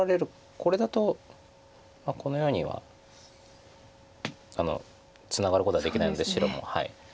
これだとこのようにはツナがることができないので白も。